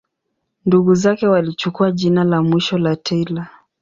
Ndugu zake walichukua jina la mwisho la Taylor.